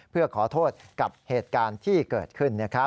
เพื่อขอโทษกับเหตุการณ์ที่เกิดขึ้น